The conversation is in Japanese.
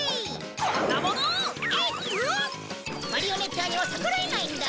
マリオネッターには逆らえないんだ。